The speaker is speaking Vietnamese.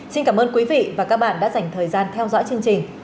xin cảm ơn quý vị và các bạn đã dành thời gian theo dõi chương trình